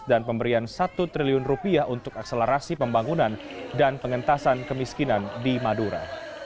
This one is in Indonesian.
dan pemberian satu triliun rupiah untuk akselerasi pembangunan dan pengentasan kemiskinan di madura